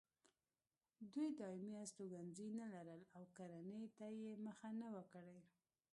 دوی دایمي استوګنځي نه لرل او کرنې ته یې مخه نه وه کړې.